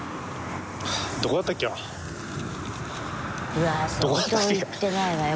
うわ相当行ってないわよ